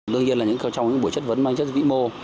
đương nhiên là trong những buổi chất vấn mang chất vĩ mô